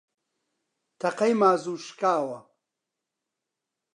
تەقەی مازوو شکاوە